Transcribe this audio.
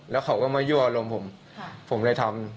แล้วเขาก็มายั่วอารมณ์ผมผมเลยทำ